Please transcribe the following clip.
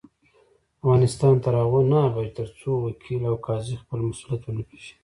افغانستان تر هغو نه ابادیږي، ترڅو وکیل او قاضي خپل مسؤلیت ونه پیژني.